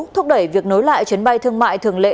thúc đẩy việc nối lại chuyến bay thương mại thường lệ